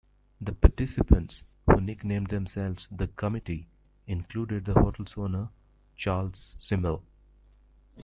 The participants, who nicknamed themselves "the committee", included the hotel's owner, Charles Schimmel.